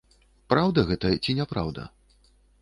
Праўда гэта ці няпраўда?